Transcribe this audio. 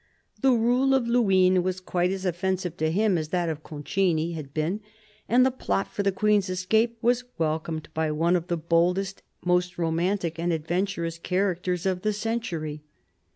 The rule of Luynes was quite as offensive to him as that of Concini had been, and the plot for the Queen's escape was welcomed by one of the boldest, most romantic and adventurous characters of the century.